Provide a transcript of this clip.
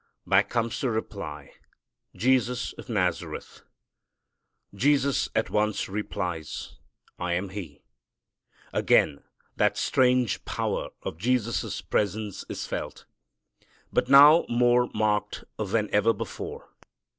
Back comes the reply, "Jesus of Nazareth." Jesus at once replies, "I am He." Again, that strange power of Jesus' presence is felt, but now more marked than ever before.